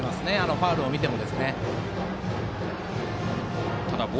ファウルを見ても。